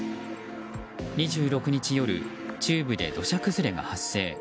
２６日夜、中部で土砂崩れが発生。